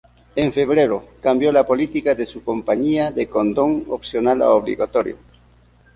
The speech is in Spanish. En febrero, cambió la política de su compañía de condón opcional a obligatorio.